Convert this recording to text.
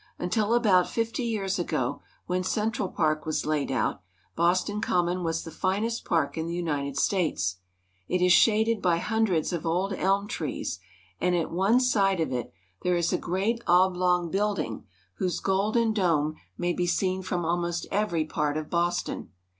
Until about fifty years ago, when Central Park was laid out, Boston Com mon was the finest park in the United States. It is shaded by hundreds of old elm trees, and at one side of it there is 92 BOSTON. a great oblong building whose golden dome may be seen from almost every part of Boston.